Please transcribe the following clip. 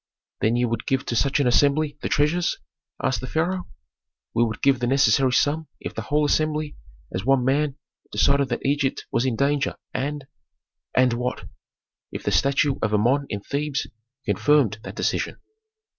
"Then ye would give to such an assembly the treasures?" asked the pharaoh. "We would give the necessary sum if the whole assembly, as one man, decided that Egypt was in danger, and " "And what?" "If the statue of Amon in Thebes confirmed that decision."